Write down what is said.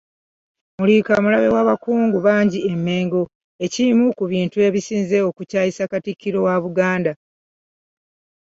Muliika mulabe w’abakungu bangi e Mengo ekimu ku bintu ebisinze okukyayisa Katikkiro wa Buganda